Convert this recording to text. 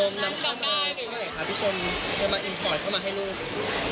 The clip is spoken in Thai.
น้ำกลับมาข้าวเย็นอะไรอะไรคะพี่ชมถึงมาอินพอร์ตเข้ามาให้ลูก